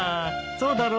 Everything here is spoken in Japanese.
そうだろ？